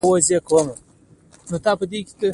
ناشونې ده؟ نه، بالکل نه!